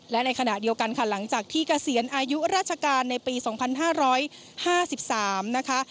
และในขณะเดียวกันค่ะหลังจากที่เกษียณอายุราชการในปี๒๕๕๓นะคะ